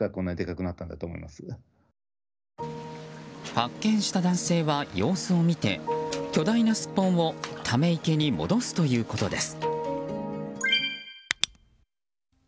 発見した男性は様子を見て巨大なスッポンをため池に戻すということです。